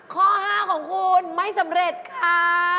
ข้อ๕ของคุณไม่สำเร็จค่ะ